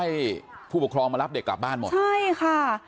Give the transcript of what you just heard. เชิงชู้สาวกับผอโรงเรียนคนนี้